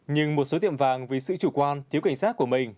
nhưng một số tiệm vàng vì sự chủ quan thiếu cảnh giác của mình